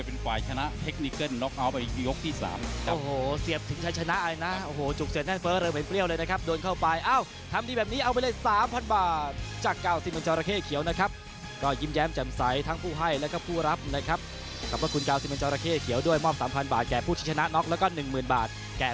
โอ้โหเสียบถึงฉันชนะอ่ะนะโอ้โหจุกเสร็จให้เฟ้อเริ่มเป็นเปรี้ยวเลยนะครับโดนเข้าไปเอ้าทำดีแบบนี้เอาไปเลย๓๐๐๐บาทจากเก้าสิมันเจ้าระเข้เขียวนะครับก็ยิ้มแย้มจำใสทั้งผู้ให้แล้วก็ผู้รับนะครับขอบคุณเก้าสิมันเจ้าระเข้เขียวด้วยมอบ๓๐๐๐บาทแก่ผู้ที่ชนะน็อกแล้วก็๑๐๐๐๐บาทแ